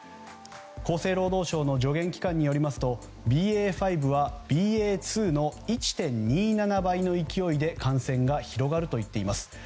厚生労働省の助言機関によりますとＢＡ．５はＢＡ．２の１．２７倍の勢いで感染が広がると言っています。